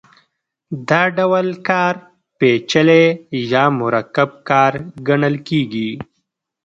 دا ډول کار پېچلی یا مرکب کار ګڼل کېږي